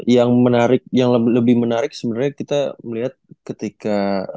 yang lebih menarik sebenernya kita melihat ketika